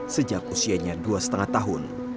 sejak usianya dua lima tahun